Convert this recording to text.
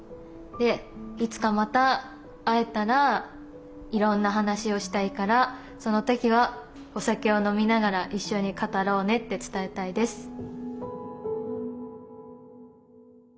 で「いつかまた会えたらいろんな話をしたいからその時はお酒を飲みながら一緒に語ろうね」って伝えたいです。